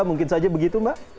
mungkin saja begitu mbak